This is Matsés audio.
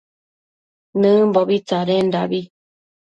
Nëmbobi tsadendabi